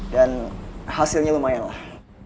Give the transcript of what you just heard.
dan hasilnya lumayan lah